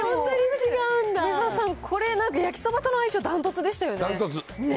梅沢さん、これ、焼きそばとの相性、断トツでしたよね。